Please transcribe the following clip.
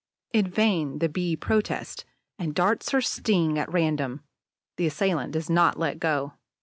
In vain the Bee protests and darts her sting at random; the assailant does not let go.